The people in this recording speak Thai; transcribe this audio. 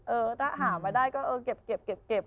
เออถ้าหามาได้ก็เออเก็บ